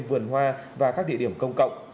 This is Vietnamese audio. vườn hoa và các địa điểm công cộng